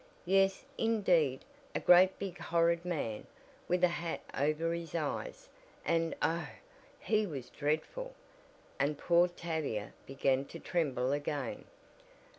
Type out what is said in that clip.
"Yes, indeed, a great big horrid man, with a hat over his eyes, and oh, he was dreadful!" and poor Tavia began to tremble again.